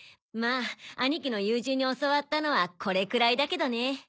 まあ兄貴の友人に教わったのはこれくらいだけどね。